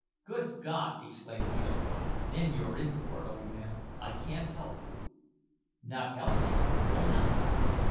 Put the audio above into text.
"Good God!" exclaimed the other, "then you're in for it, old man! I can't help you!" "Not help me! Why not?"